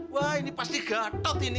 wah ini pasti gatot ini